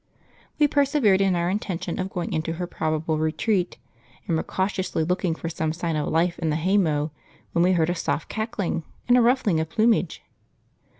We persevered in our intention of going into her probable retreat, and were cautiously looking for some sign of life in the haymow, when we heard a soft cackle and a ruffling of plumage.